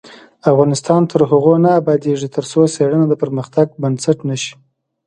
افغانستان تر هغو نه ابادیږي، ترڅو څیړنه د پرمختګ بنسټ نشي.